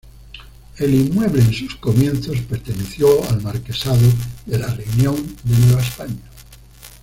El inmueble, en sus comienzos perteneció al marquesado de la Reunión de Nueva España.